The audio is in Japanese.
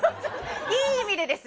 いい意味ですよ。